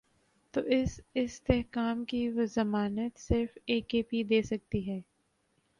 تو اس استحکام کی ضمانت صرف اے کے پی دے سکتی ہے۔